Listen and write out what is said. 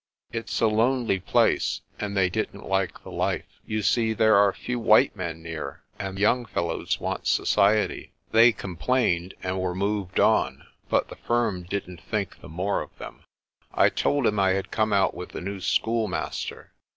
"It's a lonely place, and they didn't like the life. You see, there are few white men near, and young fellows want society. They complained, and were moved on. But the firm didn't think the more of them." I told him I had come out with the new schoolmaster.